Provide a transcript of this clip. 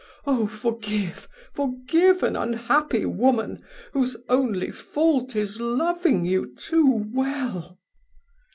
Oh! forgive, forgive an unhappy woman, whose only fault is loving you too well."